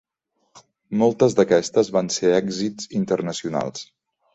Moltes d'aquestes van ser èxits internacionals.